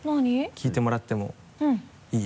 聞いてもらってもいい？